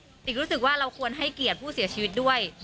ติรู้สึกว่าเราควรให้เกียรติผู้เสียชีวิตด้วย